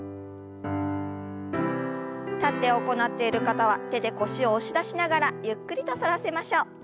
立って行っている方は手で腰を押し出しながらゆっくりと反らせましょう。